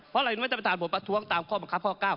เพราะอะไรรู้ไหมท่านประธานผมประท้วงตามข้อบังคับข้อ๙